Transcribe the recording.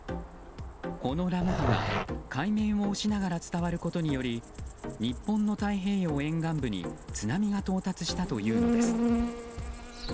このラム波が海面を押しながら伝わることにより日本の太平洋沿岸部に津波が到達したというのです。